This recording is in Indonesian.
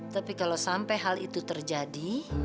tapi kalau sampai hal itu terjadi